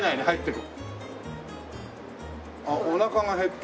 あっ。